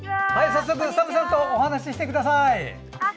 早速ＳＡＭさんとお話してください。